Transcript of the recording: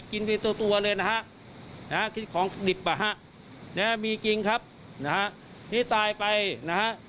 กินไปตัวเลยนะฮะของดิบนะฮะมีจริงครับนี่ตายไปนะฮะ